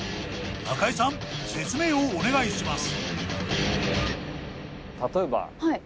中井さん説明をお願いします。